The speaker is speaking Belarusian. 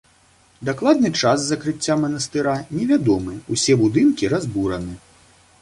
Дакладны час закрыцця манастыра невядомы, усе будынкі разбураны.